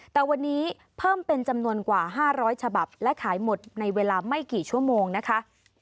แต่วันนี้เพิ่มเป็นจำนวนกว่า๕๐๐ฉบับและขายหมดในเวลาไม่กี่ชั่วโมงนะคะ